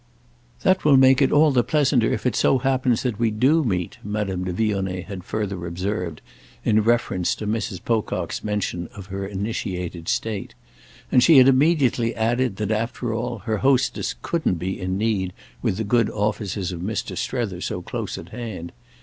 "That will make it all the pleasanter if it so happens that we do meet," Madame de Vionnet had further observed in reference to Mrs. Pocock's mention of her initiated state; and she had immediately added that, after all, her hostess couldn't be in need with the good offices of Mr. Strether so close at hand.